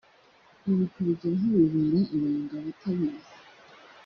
Ibi kubigeraho bibera ibanga abatabizi